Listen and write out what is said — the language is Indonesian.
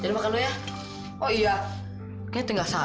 kalau sekarang anda patut menghikisti effortnya itu benar